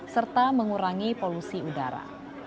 serta mengurangi polusi udara